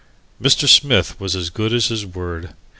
Mr. Smith was as good as his word.